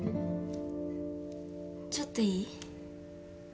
ちょっといい？